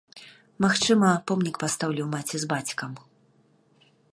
Магчыма, помнік пастаўлю маці з бацькам.